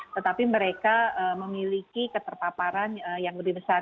tetapi mereka memiliki keterpaparan yang lebih besar